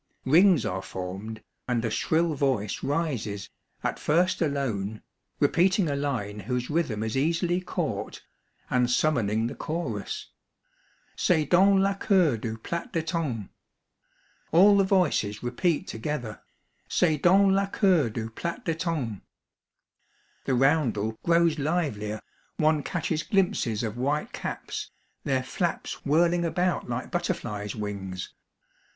Rings are formed, and a shrill voice rises, at first alone, repeating a line whose rhythm is easily caught, and summoning the chorus :—" C'est dans la cour du Plat d'£tain." ( All the voices repeat together, —" C'est dans la cour du Plat d'Etain." The roundel grows livelier, one catches glimpses of white caps, their flaps whirling about Hke butter A Sea side Harvest, 289 flies' wings.